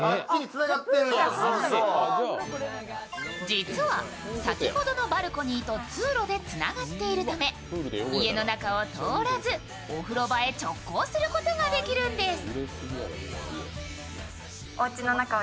実は、先ほどのバルコニーと通路でつながっているため家の中を通らず、お風呂場へ直行することができるんです。